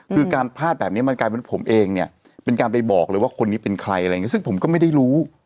คือการพลาดแบบนี้มันกลายเป็นผมเองเนี่ยเป็นการไปบอกเลยว่าคนนี้เป็นใครอะไรอย่างนี้ซึ่งผมก็ไม่ได้รู้